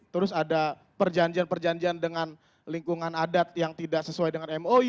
terus ada perjanjian perjanjian dengan lingkungan adat yang tidak sesuai dengan mou